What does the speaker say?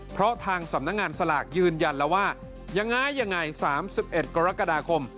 เพราะทางสำนักงานสลากยืนยันแล้วว่ายังไงยังไง๓๑กรกฎาคม